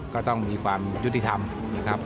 ก็ต้องมีความยุติธรรมนะครับ